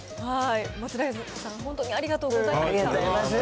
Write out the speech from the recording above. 松平さん、本当にありがとうありがとうございます。